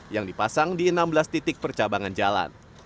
yang dipasang di enam belas titik percabangan jalan